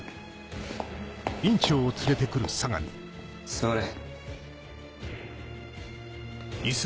座れ。